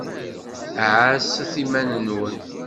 Ɛasset iman-nwen.